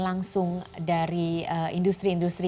langsung dari industri industri